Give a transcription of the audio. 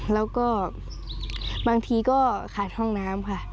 แล้วก็บางทีก็ขาดห้องน้ำค่ะ